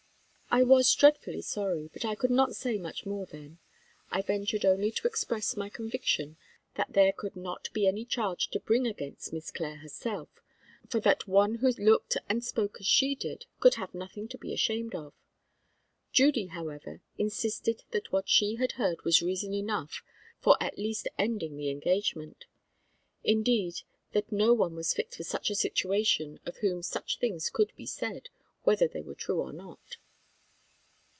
I was dreadfully sorry, but I could not say much more then. I ventured only to express my conviction that there could not be any charge to bring against Miss Clare herself; for that one who looked and spoke as she did could have nothing to be ashamed of. Judy, however, insisted that what she had heard was reason enough for at least ending the engagement; indeed, that no one was fit for such a situation of whom such things could be said, whether they were true or not.